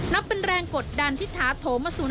นับเป็นแรงกดดันที่ท้าโถมมาสู่